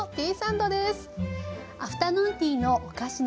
アフタヌーンティーのお菓子の